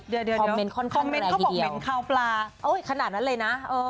เดี๋ยวคอมเมนต์ค่อนข้างแรงทีเดียวโอ้ยขนาดนั้นเลยนะเออ